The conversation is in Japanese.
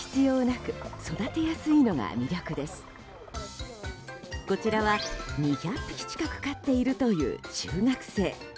こちらは２００匹近く飼っているという中学生。